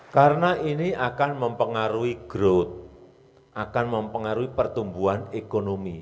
karena ini akan mempengaruhi growth akan mempengaruhi pertumbuhan ekonomi